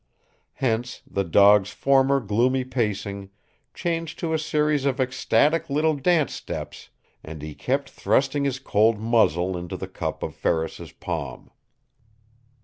Hence the dog's former gloomy pacing changed to a series of ecstatic little dance steps, and he kept thrusting his cold muzzle into the cup of Ferris's palm.